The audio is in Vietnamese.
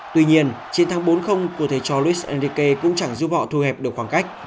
tuy nhiên chiến thắng bốn của thầy charles enrique cũng chẳng giúp họ thu hẹp được khoảng cách